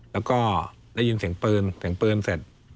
แล้วก็ได้ยินเสียงปืนเสียงปืนเสร็จ